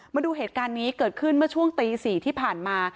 มาดูเหตุการณ์นี้เกิดขึ้นเมื่อช่วงตี๔ที่ผ่านมา